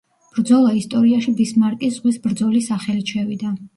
ბრძოლა ისტორიაში „ბისმარკის ზღვის ბრძოლის“ სახელით შევიდა.